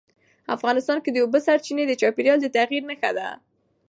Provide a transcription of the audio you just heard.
افغانستان کې د اوبو سرچینې د چاپېریال د تغیر نښه ده.